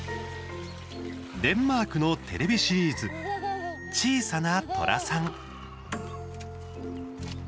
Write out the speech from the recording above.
デンマークのテレビシリーズ「ちいさなトラさん」。